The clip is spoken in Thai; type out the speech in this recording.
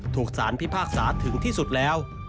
ถูกสารพิพากษาถึงที่สุดแล้ว